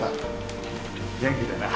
元気でな。